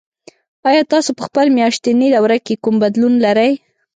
ایا تاسو په خپل میاشتني دوره کې کوم بدلون لرئ؟